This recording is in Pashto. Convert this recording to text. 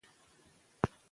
غږ به لا روښانه وي.